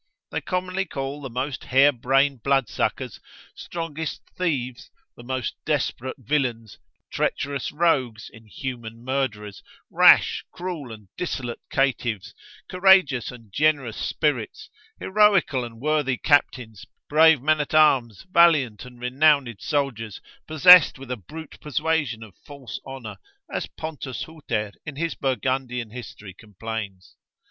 They commonly call the most hair brain bloodsuckers, strongest thieves, the most desperate villains, treacherous rogues, inhuman murderers, rash, cruel and dissolute caitiffs, courageous and generous spirits, heroical and worthy captains, brave men at arms, valiant and renowned soldiers, possessed with a brute persuasion of false honour, as Pontus Huter in his Burgundian history complains.